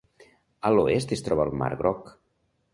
A l'oest es troba el mar Groc.